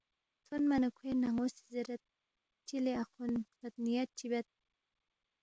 تھونما نہ کھوے نن٘و سی زیرید، چی لے اَخون بے نیت چی بید،